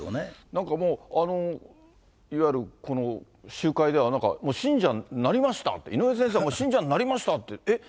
なんかもう、いわゆる、この集会では、なんか信者になりましたって、井上先生はもう信者になりましたって、えっ？